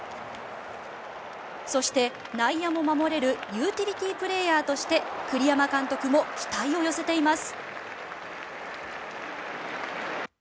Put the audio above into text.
そして、内野も守れるユーティリティープレーヤーとして栗山監督も期待を寄せています。